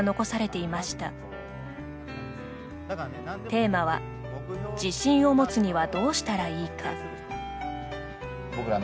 テーマは「自信を持つにはどうしたらいいか」。